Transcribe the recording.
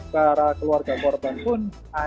para keluarga korban pun